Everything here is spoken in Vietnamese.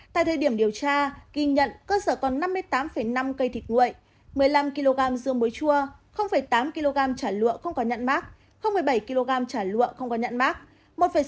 tại thời điểm điều tra ghi nhận cơ sở còn năm mươi tám năm cây thịt nguội một mươi năm kg dưa muối chua tám kg chả lụa không có nhạn mát bảy kg chả lụa không có nhạn mát